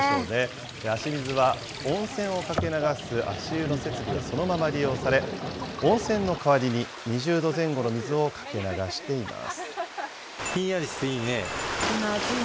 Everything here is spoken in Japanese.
足水は温泉をかけ流す足湯の設備がそのまま利用され、温泉の代わりに２０度前後の水をかけ流しています。